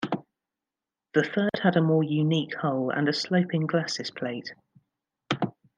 The third had a more unique hull and a sloping glacis plate.